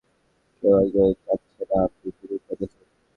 কেউ একজন চাচ্ছে না আপনি শুনুন বা দেখুন।